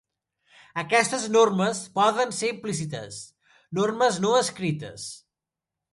Aquestes normes poden ser implícites: normes no escrites.